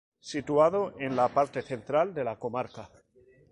Situado en la parte central de la comarca.